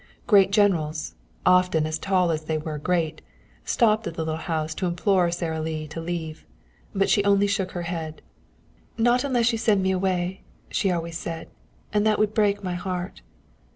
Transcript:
Great generals, often as tall as they were great, stopped at the little house to implore Sara Lee to leave. But she only shook her head. "Not unless you send me away," she always said; "and that would break my heart."